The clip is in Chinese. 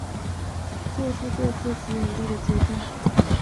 做出对自己有利的决定